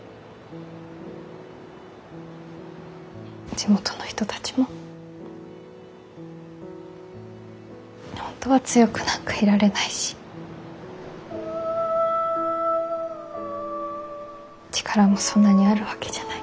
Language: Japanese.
地元の人たちも本当は強くなんかいられないし力もそんなにあるわけじゃない。